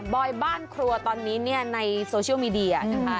บรอยบ้านครัวตอนนี้ในโซเชียลมีดีนะคะ